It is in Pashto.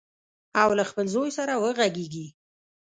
او له خپل زوی سره وغږیږي.